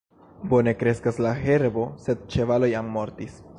Bone kreskas la herbo, sed ĉevalo jam mortis.